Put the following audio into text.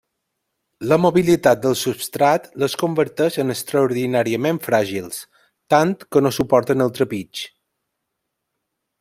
La mobilitat del substrat les converteix en extraordinàriament fràgils, tant que no suporten el trepig.